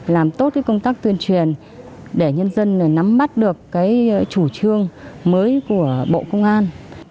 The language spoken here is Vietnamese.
làm tốt công tác tuyên truyền để nhân dân nắm mắt được cái chủ trương mới của bộ công an